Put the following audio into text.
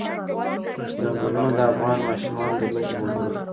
چنګلونه د افغان ماشومانو د لوبو موضوع ده.